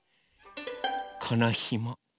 このひも。